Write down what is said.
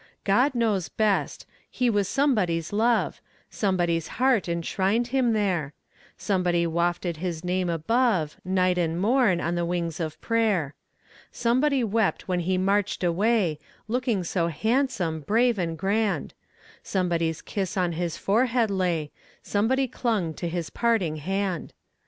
God knows best! He was somebody's love; Somebody's heart enshrined him there; Somebody wafted his name above, Night and morn, on the wings of prayer. Somebody wept when he marched away, Looking so handsome, brave and grand; Somebody's kiss on his forehead lay, Somebody clung to his parting hand.